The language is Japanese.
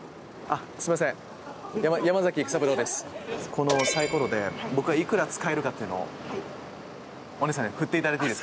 このさいころで僕が幾ら使えるかっていうのをお姉さんに振っていただいていいですか？